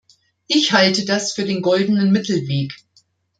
Ich halte das für den goldenen Mittelweg.